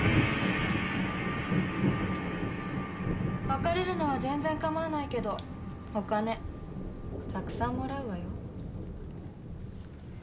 別れるのは全然構わないけどお金たくさんもらうわよ。